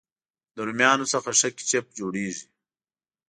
د رومیانو څخه ښه کېچپ جوړېږي.